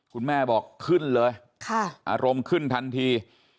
คุณแม่บอกขึ้นเลยอารมณ์ขึ้นทันที